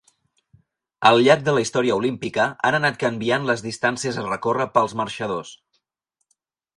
Al llarg de la història olímpica han anat canviant les distàncies a recórrer pels marxadors.